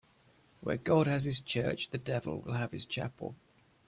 Where God has his church, the devil will have his chapel